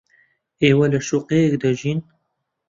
ئێوە لە شوقەیەک دەژین.